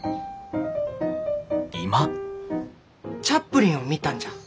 チャップリンを見たんじゃ。